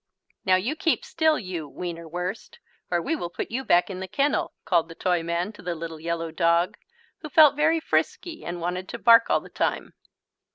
"Now you keep still, you Wienerwurst, or we will put you back in the kennel," called the Toyman to the little yellow dog, who felt very frisky and wanted to bark all the time.